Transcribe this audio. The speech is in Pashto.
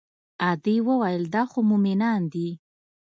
ادې وويل دا خو مومنان دي.